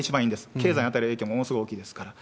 経済に与える影響ものすごい大きいですから。